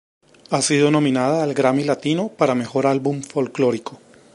Ha sido nominada al Grammy Latino para Mejor Álbum Folklórico.